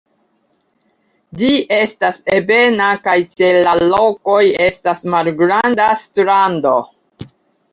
Ĝi estas ebena kaj ĉe la rokoj estas malgranda strando.